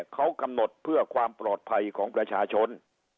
เขากำหนดเพื่อความปลอดภัยของประชาชน